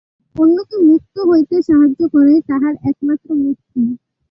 অন্যকে মুক্ত হইতে সাহায্য করাই তাহার একমাত্র মুক্তি।